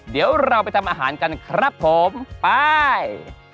เดี๋ยวเราไปทำอาหารกันครับผมไป